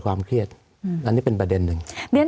สวัสดีครับทุกคน